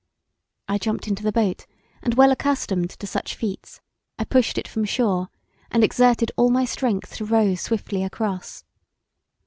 I jumped into the boat, and well accustomed to such feats, I pushed it from shore, and exerted all my strength to row swiftly across.